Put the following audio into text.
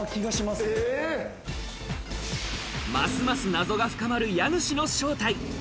ますます謎が深まる家主の正体。